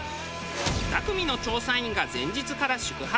２組の調査員が前日から宿泊。